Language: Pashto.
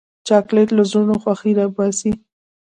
چاکلېټ له زړونو خوښي راوباسي.